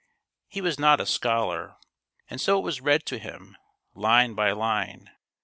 He was not a scholar, and so it was read to him, line by line.